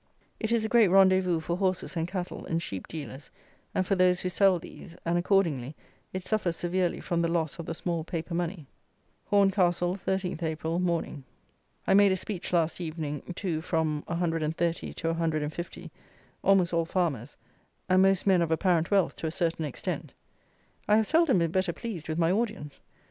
It is a great rendezvous for horses and cattle, and sheep dealers, and for those who sell these; and accordingly, it suffers severely from the loss of the small paper money. Horncastle, 13th April, Morning. I made a speech last evening to from 130 to 150, almost all farmers, and most men of apparent wealth to a certain extent. I have seldom been better pleased with my audience.